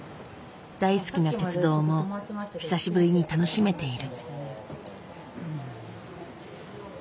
大好きな鉄道も久しぶりに楽しめている。